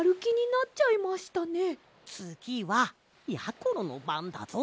つぎはやころのばんだぞ。